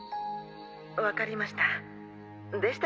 わかりました。